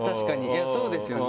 いやそうですよね。